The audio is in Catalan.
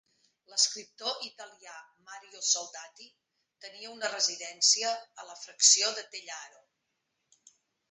L'escriptor italià Mario Soldati tenia una residència a la fracció de Tellaro.